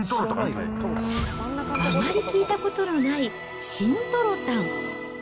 あまり聞いたことのない、真とろたん。